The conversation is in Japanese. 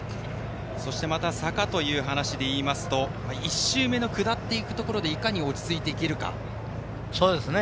そしてまた坂という話で言いますと１周目の下っていくところでいかに落ち着いていけるか。